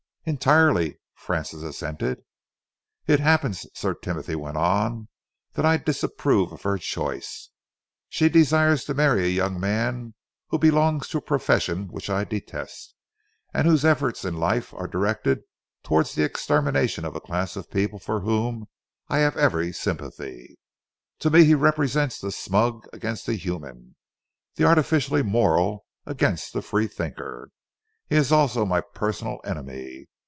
"Entirely," Francis assented. "It happens," Sir Timothy went on, "that I disapprove of her choice. She desires to marry a young man who belongs to a profession which I detest, and whose efforts in life are directed towards the extermination of a class of people for whom I have every sympathy. To me he represents the smug as against the human, the artificially moral as against the freethinker. He is also my personal enemy.